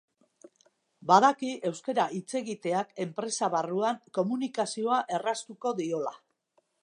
Badaki euskara hitz egiteak enpresa barruan komunikazioa erraztuko diola.